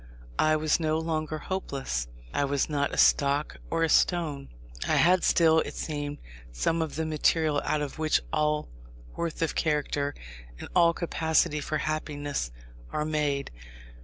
I was no longer hopeless: I was not a stock or a stone. I had still, it seemed, some of the material out of which all worth of character, and all capacity for happiness, are made.